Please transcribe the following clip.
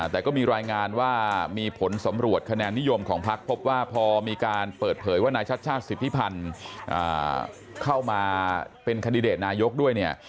แต่ก็มีรายงานว่ามีผลสำรวจคะแนนนิยมของพักพบว่าพอมีการเปิดเผยว่านายชัดชาติสิทธิพันธ์เข้ามาเป็นคันดิเดตนายกด้วยเนี่ย